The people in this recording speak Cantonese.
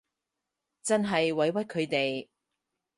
真係委屈佢哋